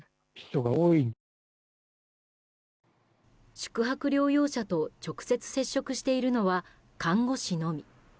宿泊療養者と直接接触しているのは看護師のみ。